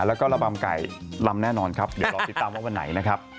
แล้วก็ระบำไก่ลำแน่นอนครับเดี๋ยวรอติดตามว่าวันไหนนะครับ